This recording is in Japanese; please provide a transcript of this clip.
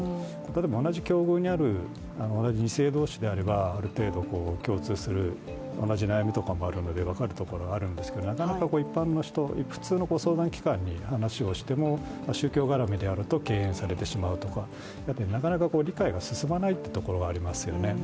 例えば同じ境遇にある同じ２世同士であればある程度共通する、同じ悩みもあるので分かるところがあるんですけどなかなか一般の人、普通の相談機関に話をしても宗教がらみであると敬遠されてしまうとかなかなか理解が進まないというところがありますよね。